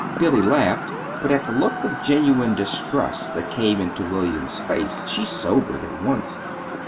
Billy laughed; but at the look of genuine distress that came into William's face, she sobered at once.